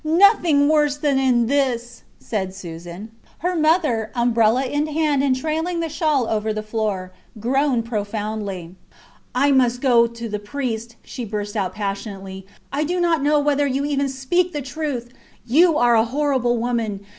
Nothing worse than in this, said Susan. Her mother, umbrella in hand and trailing the shawl over the floor, groaned profoundly. I must go to the priest, she burst out passionately. I do not know whether you even speak the truth! You are a horrible woman.